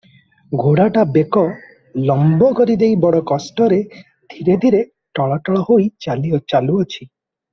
ଘୋଡ଼ାଟା ବେକ ଲମ୍ବ କରିଦେଇ ବଡ଼ କଷ୍ଟରେ ଧୀରେ ଧୀରେ ଟଳଟଳହୋଇ ଚାଲୁଅଛି ।